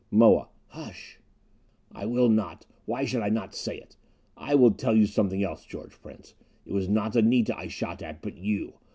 Moa: "Hush!" "I will not! Why should I not say it? I will tell you something else, George Prince. It was not Anita I shot at, but you!